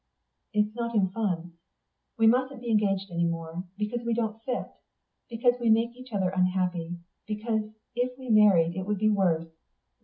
"It's not in fun. We mustn't be engaged any more, because we don't fit. Because we make each other unhappy. Because, if we married, it would be worse.